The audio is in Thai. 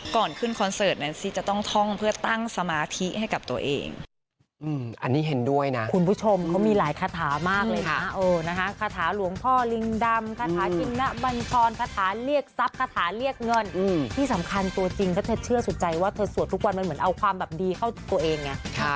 ก่อนขึ้นคอนเสิร์ตนั้นซิจะต้องท่องเพื่อตั้งสมาธิให้กับตัวเอง